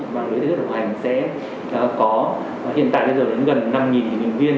mạng lưới thầy thuốc đồng hành sẽ có hiện tại đến gần năm nhân viên